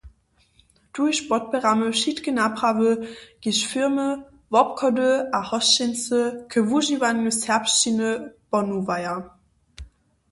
Tuž podpěramy wšitke naprawy, kiž firmy, wobchody a hosćency k wužiwanju serbšćiny pohnuwaja.